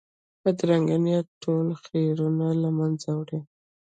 بدرنګه نیت ټول خیرونه له منځه وړي